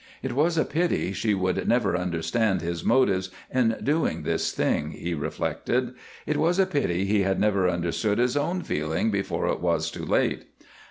It was a pity she would never understand his motives in doing this thing, he reflected. It was a pity he had never understood his own feelings before it was too late.